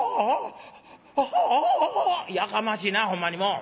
「やかましいなあほんまにもう！